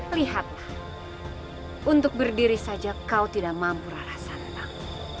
lihatlah untuk berdiri saja kau tidak mampu laras sandang